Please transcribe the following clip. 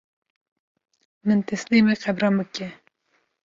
Min teslîmê qebran bike